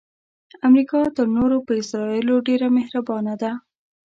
امریکا تر نورو په اسراییلو ډیره مهربانه ده.